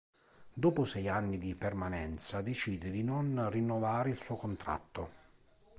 Dopo sei anni di permanenza decide di non rinnovare il suo contratto.